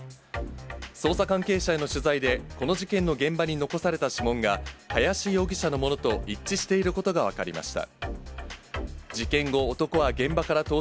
捜査関係者への取材で、この事件の現場に残された指紋が、林容疑者のものと一致していることが分かりました。